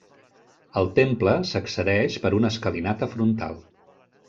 Al temple s'accedeix per una escalinata frontal.